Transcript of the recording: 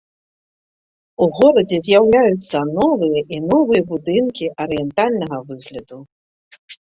У горадзе з'яўляюцца новыя і новыя будынкі арыентальнага выгляду.